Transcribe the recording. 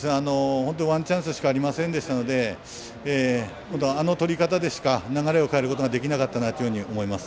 本当にワンチャンスしかありませんでしたのであのとり方でしか、流れを変えることができなかったなと思います。